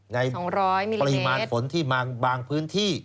ปริมาณฝนที่บางพื้นที่